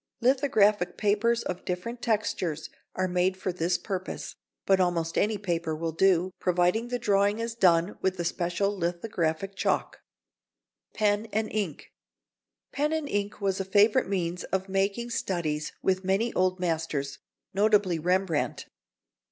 Lithographic papers of different textures are made for this purpose, but almost any paper will do, provided the drawing is done with the special lithographic chalk. [Sidenote: Pen and Ink.] Pen and ink was a favourite means of making studies with many old masters, notably Rembrandt.